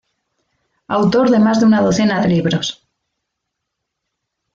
Autor de más de una docena de libros.